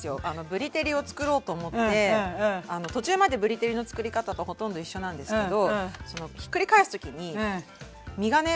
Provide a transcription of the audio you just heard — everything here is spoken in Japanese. ぶり照りを作ろうと思って途中までぶり照りの作り方とほとんど一緒なんですけどひっくり返す時に身がね